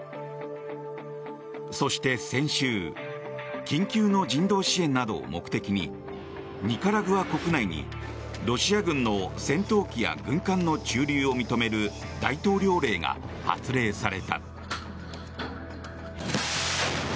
そして先週緊急の人道支援などを目的にニカラグア国内にロシア軍の戦闘機や軍艦の駐留を認める大統領令が発令された。